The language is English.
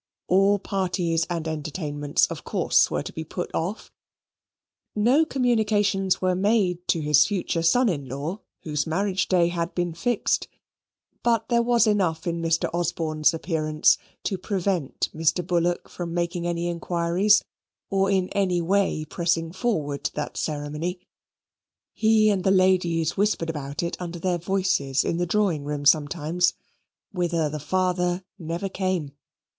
All parties and entertainments, of course, were to be put off. No communications were made to his future son in law, whose marriage day had been fixed: but there was enough in Mr. Osborne's appearance to prevent Mr. Bullock from making any inquiries, or in any way pressing forward that ceremony. He and the ladies whispered about it under their voices in the drawing room sometimes, whither the father never came.